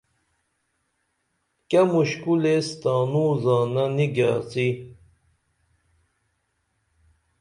کیہ مُشکُل ایس تانوں زانہ نی گیاڅی